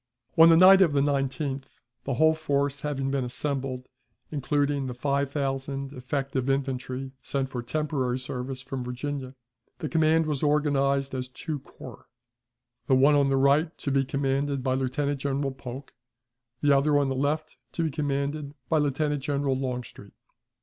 On the night of the 19th, the whole force having been assembled, including the five thousand effective infantry sent for temporary service from Virginia, the command was organized as two corps, the one on the right to be commanded by Lieutenant General Polk; the other, on the left, to be commanded by Lieutenant General Longstreet.